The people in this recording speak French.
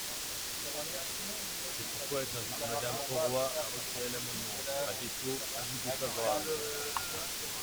C’est pourquoi j’invite Madame Auroi à retirer l’amendement ; à défaut, avis défavorable.